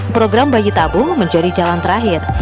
program bayi tabung menjadi jalan terakhir